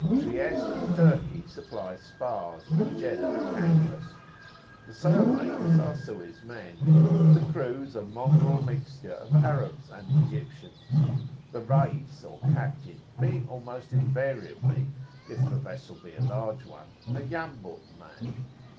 Trieste and Turkey supply spars, and Jeddah canvas: the sail makers are Suez men, and the crews a mongrel mixture of Arabs and Egyptians; the Rais, or captain, being almost invariably, if the vessel be a large one, a Yambu' man.